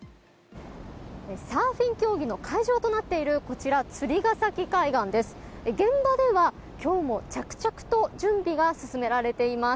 サーフィン競技の会場となっているこちら、釣ヶ崎海岸です。